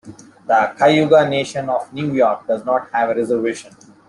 The Cayuga Nation of New York does not have a reservation.